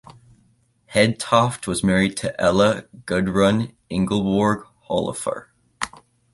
Hedtoft was married to Ella Gudrun Ingeborg Holleufer.